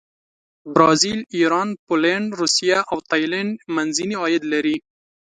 برازیل، ایران، پولینډ، روسیه او تایلنډ منځني عاید لري.